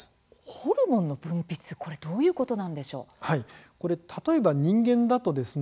ホルモンの分泌どういうことですか。